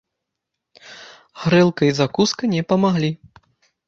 Гарэлка і закуска не памаглі.